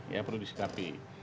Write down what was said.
ya perlu disikapi